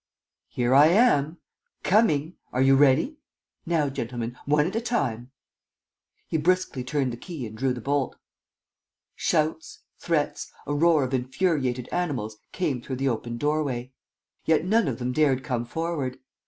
"Here I am! Coming! Are you ready? Now, gentlemen, one at a time! ..." He briskly turned the key and drew the bolt. Shouts, threats, a roar of infuriated animals came through the open doorway. Yet none of them dared come forward.